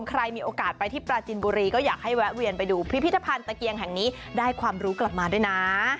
ใครมีโอกาสไปที่ปราจินบุรีก็อยากให้แวะเวียนไปดูพิพิธภัณฑ์ตะเกียงแห่งนี้ได้ความรู้กลับมาด้วยนะ